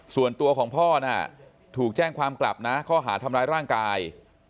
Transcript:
ส่วนตัวของพ่อน่ะถูกแจ้งความกลับนะข้อหาทำร้ายร่างกาย